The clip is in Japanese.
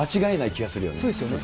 そうですよね。